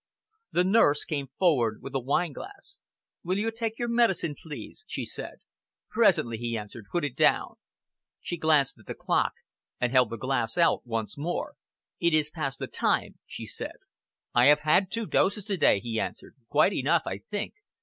The nurse came forward with a wineglass. "Will you take your medicine, please?" she said. "Presently," he answered, "put it down." She glanced at the clock and held the glass out once more. "It is past the time," she said. "I have had two doses to day," he answered. "Quite enough, I think.